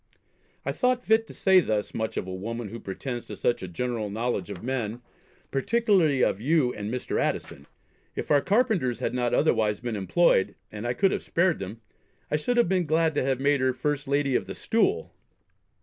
I thought fit to say thus much of a woman who pretends to such a general knowledge of men, particularly of you and Mr. Addison. If our carpenters had not otherwise been employed, and I could have spared them, I should have been glad to have made her first Lady of the Stool.